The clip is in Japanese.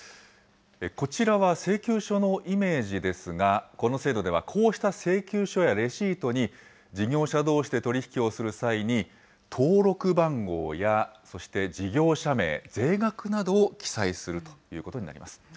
こちらは請求書のイメージですが、この制度では、こうした請求書やレシートに事業者どうしで取り引きをする際に、登録番号や、そして事業者名、税額などを記載するということになります。